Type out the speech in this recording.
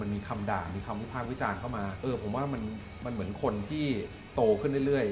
มีคำด่ามีคำวิพากษ์วิจารณ์เข้ามาเออผมว่ามันเหมือนคนที่โตขึ้นเรื่อย